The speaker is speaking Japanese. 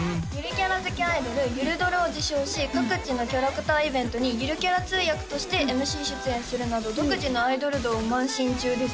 キャラ好きアイドルゆるドルを自称し各地のキャラクターイベントにゆるキャラ通訳としてＭＣ出演するなど独自のアイドル道をまい進中です